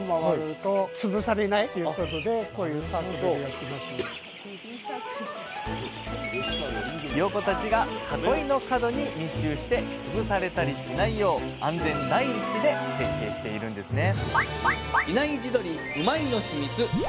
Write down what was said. ひよこたちが囲いの角に密集して潰されたりしないよう安全第一で設計しているんですね